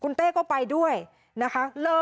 เต้ก็ไปด้วยนะคะ